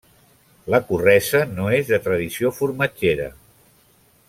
La Corresa no és de tradició formatgera.